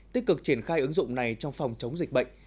tích cực triển khai ứng dụng này trong phòng chống dịch bệnh